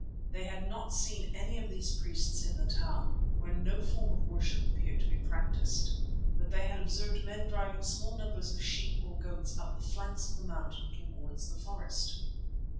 They had not seen any of these priests in the town, where no form of worship appeared to be practised, but they had observed men driving small numbers of sheep or goats up the flanks of the mountain towards the forest.